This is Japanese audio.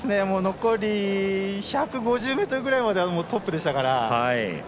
残り１５０ぐらいまではトップでしたから。